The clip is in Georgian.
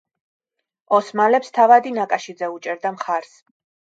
ოსმალებს თავადი ნაკაშიძე უჭერდა მხარს.